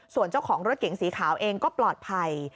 ส่วนเจ้าของรถเก๋งสีขาวเองก็ปลอดภัย